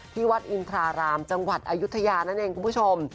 วัดอินทรารามจังหวัดอายุทยานั่นเองคุณผู้ชม